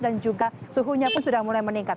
dan juga suhunya pun sudah mulai meningkat